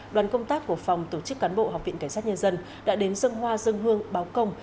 đoàn công tác của phòng tổ chức cán bộ học viện cảnh sát nhân dân đã đến dân hoa dân hương báo công